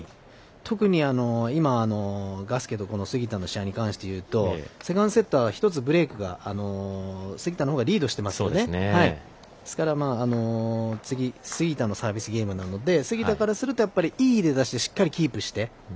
特に今、ガスケと杉田の試合に関して言うとセカンドセット、１つブレークが杉田のほうがリードしてますので、ですから次、杉田のサービスゲームなので杉田からするといい出だしでしっかりキープして。